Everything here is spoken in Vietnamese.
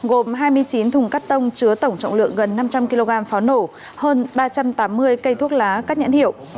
gồm hai mươi chín thùng cắt tông chứa tổng trọng lượng gần năm trăm linh kg pháo nổ hơn ba trăm tám mươi cây thuốc lá các nhãn hiệu